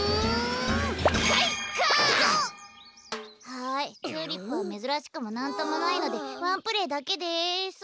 はいチューリップはめずらしくもなんともないのでワンプレーだけです。